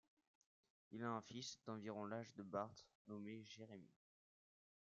Il a un fils d'environ l'âge de Bart, nommé Jérémy.